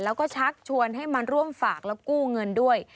แล้วก็ชักชวนให้มาร่วมฝากแล้วกู้เงินด้วย